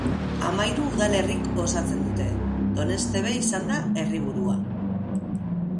Hamahiru udalerrik osatzen dute, Doneztebe izanda herriburua.